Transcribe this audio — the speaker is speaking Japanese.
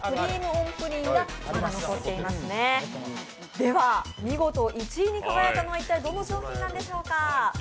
では見事、１位に輝いたのは一体どの商品なんでしょうか？